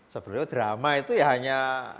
sebelumnya drama itu hanya